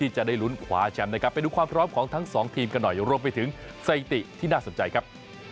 จะได้ลุ้นคว้าแชมป์นะครับไปดูความพร้อมของทั้งสองทีมกันหน่อยรวมไปถึงสถิติที่น่าสนใจครับ